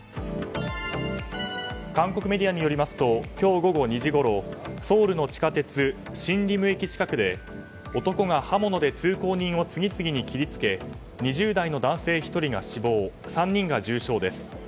韓国メディアによりますと今日午後２時ごろソウルの地下鉄シンリム駅近くで男が刃物で通行人を次々に切り付け２０代の男性１人が死亡３人が重傷です。